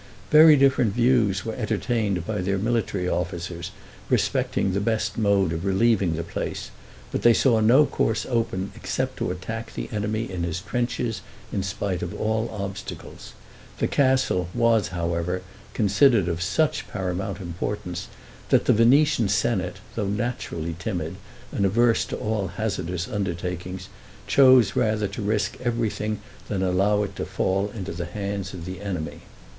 Very different views were entertained by their military officers respecting the best mode of relieving the place, but they saw no course open except to attack the enemy in his trenches, in spite of all obstacles. The castle was, however, considered of such paramount importance, that the Venetian senate, though naturally timid, and averse to all hazardous undertakings, chose rather to risk everything than allow it to fall into the hands of the enemy.